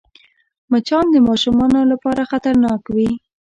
مچان د ماشومانو لپاره خطرناک وي